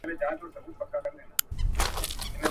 د ژوندون په سِر پوه نه سوم څه حُباب غوندي ځواني وه.